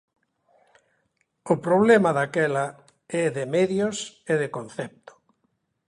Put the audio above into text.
O problema, daquela, é de medios e de concepto.